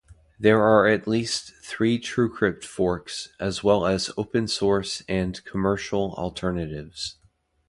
There are at least three TrueCrypt forks, as well as open-source and commercial alternatives.